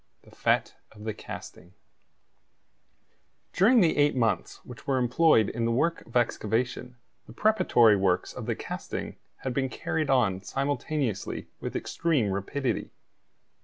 THE FETE OF THE CASTING During the eight months which were employed in the work of excavation the preparatory works of the casting had been carried on simultaneously with extreme rapidity.